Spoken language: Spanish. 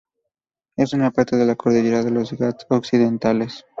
Es una parte de la cordillera de los Ghats occidentales.